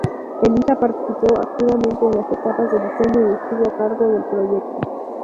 Elissa participó activamente en las etapas de diseño y estuvo a cargo del proyecto.